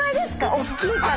大きいから。